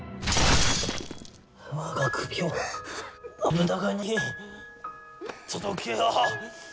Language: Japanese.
我が首を信長に届けよ。